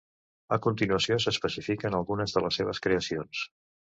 A continuació, s'especifiquen algunes de les seves creacions.